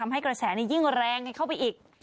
กระแสนี้ยิ่งแรงเข้าไปอีก